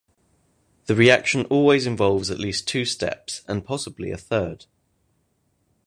The reaction always involves at least two steps, and possibly a third.